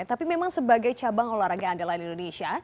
tapi memang sebagai cabang olahraga andalan indonesia